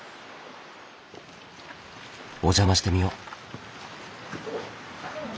お邪魔してみよう。